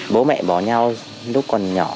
bố mẹ bỏ nhau lúc còn nhỏ